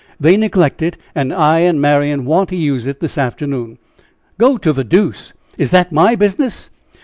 They neglect it. And I and Marian want to use it this afternoon." "Go to the deuce! Is that my business?"